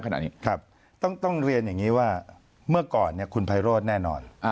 ขนาดนี้ครับต้องเรียนอย่างนี้ว่าเมื่อก่อนคุณไพโรธแน่นอน